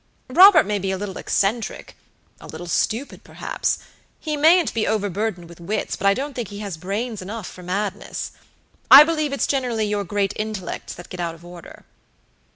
Robert may be a little eccentrica little stupid, perhapshe mayn't be overburdened with wits, but I don't think he has brains enough for madness. I believe it's generally your great intellects that get out of order."